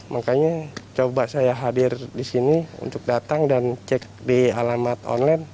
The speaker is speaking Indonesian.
makanya coba saya hadir di sini untuk datang dan cek di alamat online